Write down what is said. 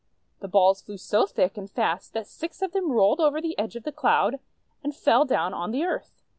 The balls flew so thick and fast that six of them rolled over the edge of the Cloud, and fell down on the earth.